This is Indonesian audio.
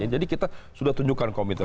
jadi kita sudah tunjukkan komitmen